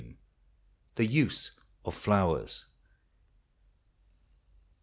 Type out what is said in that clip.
L'U THE USE OF FLOWERS.